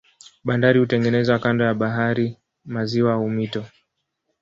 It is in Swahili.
Bandari hutengenezwa kando ya bahari, maziwa au mito.